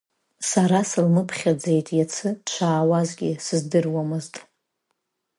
Сара сылмыԥхьаӡеит, иацы дшаауазгьы сыздыруамызт.